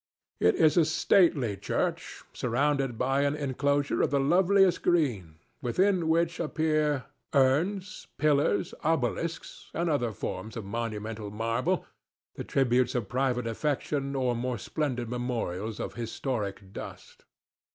It is a stately church surrounded by an enclosure of the loveliest green, within which appear urns, pillars, obelisks, and other forms of monumental marble, the tributes of private affection or more splendid memorials of historic dust.